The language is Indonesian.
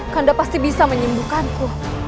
kanda pasti bisa menyembuhkanku